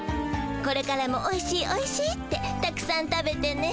これからも「おいしいおいしい」ってたくさん食べてね。